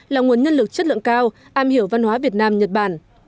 là nguồn nhân lực chất lượng cao am hiểu văn hóa việt nam nhật bản